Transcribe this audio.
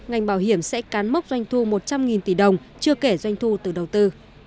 ngành bảo hiểm sẽ cán mốc doanh thu một trăm linh tỷ đồng chưa kể doanh thu từ đầu tư